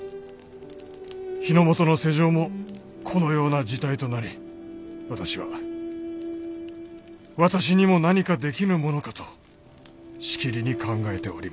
日の本の世情もこのような事態となり私は私にも何かできぬものかとしきりに考えております。